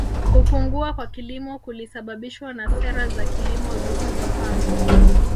Kupungua kwa kilimo kulisababishwa na sera za kilimo zisizofaa